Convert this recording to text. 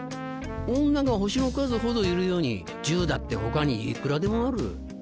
女が星の数ほどいるように銃だって他にいくらでもある。